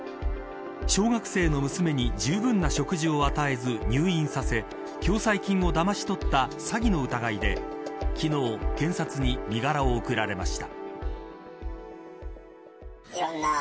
小学生の娘にじゅうぶんな食事を与えず入院させ共済金をだまし取った詐欺の疑いで昨日検察に身柄を送られました。